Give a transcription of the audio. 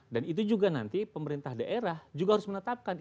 dan itu juga nanti pemerintah daerah juga harus menetapkan